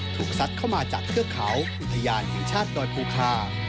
ซัดเข้ามาจากเทือกเขาอุทยานแห่งชาติดอยภูคา